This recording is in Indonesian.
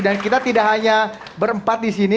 dan kita tidak hanya berempat disini